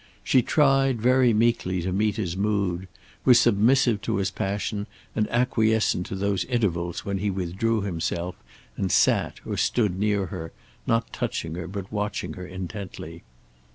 She tried, very meekly, to meet his mood; was submissive to his passion and acquiescent to those intervals when he withdrew himself and sat or stood near her, not touching her but watching her intently.